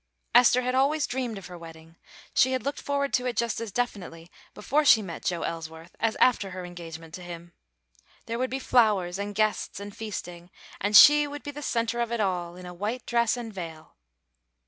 Esther had always dreamed of her wedding; she had looked forward to it just as definitely before she met Joe Elsworth as after her engagement to him. There would be flowers and guests and feasting, and she would be the centre of it all in a white dress and veil.